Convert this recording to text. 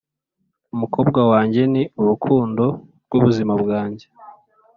umukobwa wanjye ni urukundo rw'ubuzima bwanjye